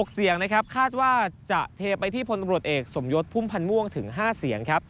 เสียงนะครับคาดว่าจะเทไปที่พลตำรวจเอกสมยศพุ่มพันธ์ม่วงถึง๕เสียงครับ